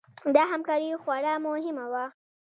دا همکاري خورا مهمه وه.